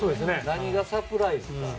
何がサプライズか。